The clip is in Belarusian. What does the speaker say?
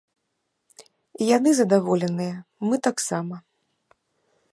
Яны задаволеныя, мы таксама.